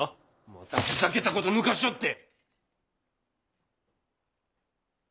またふざけたこと抜かしおって！